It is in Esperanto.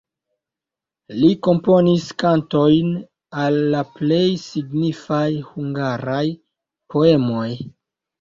Li komponis kantojn al la plej signifaj hungaraj poemoj.